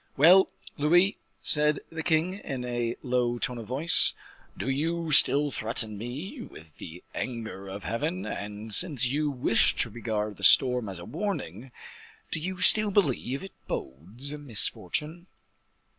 "Well, Louise," said the king, in a low tone of voice, "do you still threaten me with the anger of Heaven? and, since you wished to regard the storm as a warning, do you still believe it bodes misfortune?"